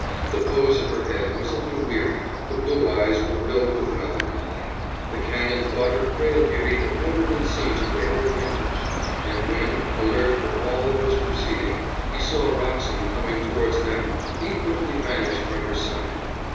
The pose of her head was a little wearied. The blue eyes were filled with melancholy. The Canon thought her frail beauty had never been seen to greater advantage; and when, alert for all that was proceeding, he saw Wroxham coming towards them, he quickly vanished from her side.